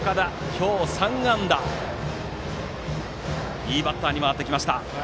今日３安打のいいバッターに回りました。